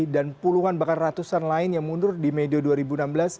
dan puluhan bahkan ratusan lain yang mundur di mediobrm dua ribu enam belas